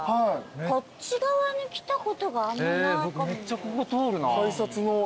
こっち側に来たことがあんまないかも。